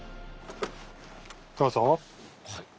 どうぞ。